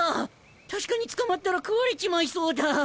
確かに捕まったら食われちまいそうだ。